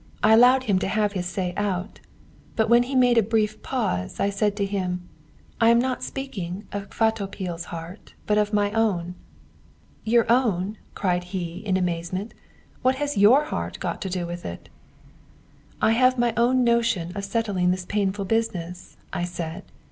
I allowed him to have his say out. But when he made a brief pause, I said to him: 'I am not speaking of Kvatopil's heart, but of my own.' "'Your own?' cried he, in amazement. 'What has your heart got to do with it?' "'I have my own notion of settling this painful business,' I said.